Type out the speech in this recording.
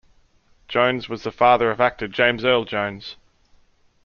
Jones was the father of actor James Earl Jones.